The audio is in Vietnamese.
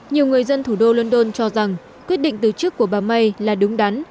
nhiều người dân thủ đô london cho rằng quyết định từ chức của bà may là đúng đắn